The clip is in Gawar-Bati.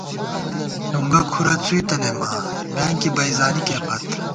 نُنگُہ کُھرَہ څُوئ تنَئیم آں، میانکی بئ زانِکے پت